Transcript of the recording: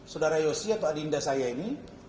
saudara yosi atau adinda saya ini